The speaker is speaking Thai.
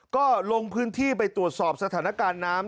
ก็ลงพื้นที่ไปตรวจสอบสถานการณ์น้ำ